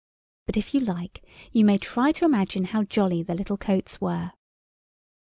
But if you like, you may try to imagine how jolly the little coats were.